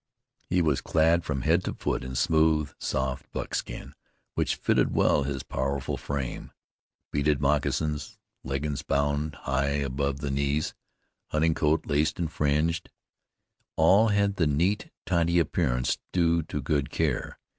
He was clad from head to foot in smooth, soft buckskin which fitted well his powerful frame. Beaded moccasins, leggings bound high above the knees, hunting coat laced and fringed, all had the neat, tidy appearance due to good care.